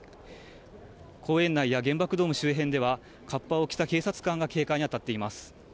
公園内や原爆ドーム周辺では、かっぱを着た警察官が警戒に当たっています。